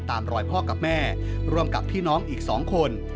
ตามรอยพ่อกับแม่ร่วมกับพี่น้องอีก๒คน